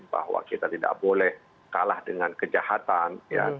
bahwa kita tidak boleh kalah dengan kejahatan ya